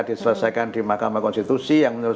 diselesaikan di mahkamah konstitusi yang menurut